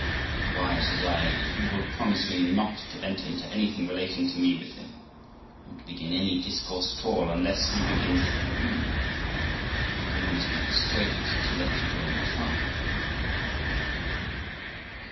'Why', says I, 'if you will promise me not to enter into anything relating to me with him, nor to begin any discourse at all unless he begins it with you, I could almost be persuaded to let you go and try.'